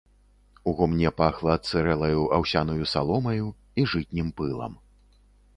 У гумне пахла адсырэлаю аўсянаю саломаю і жытнім пылам.